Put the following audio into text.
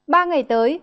ba ngày tới